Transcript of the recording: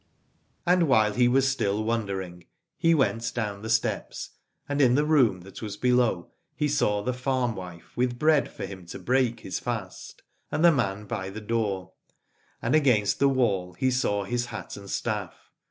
And while he was still wondering he went down the steps, and in the room that was below he saw the farmwife with bread for him to break his fast, and the man by the door ; and against the wall he saw his hat and staff.